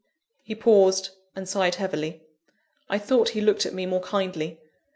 He paused, and sighed heavily. I thought he looked at me more kindly.